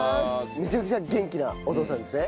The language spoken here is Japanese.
めちゃめちゃ元気なお父さんですね。